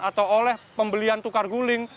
atau oleh pembelian tukar guling